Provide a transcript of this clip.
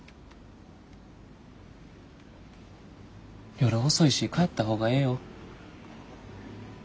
夜遅いし帰った方がええよ。